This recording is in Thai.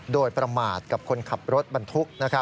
โดยประมาทกับคนขับรถบรรทุก